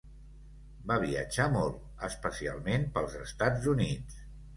Va viatjar molt, especialment pels Estats Units.